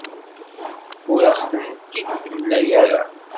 Ur aɣ-tent-id-temla ara.